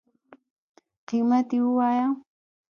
قیمت یی ووایه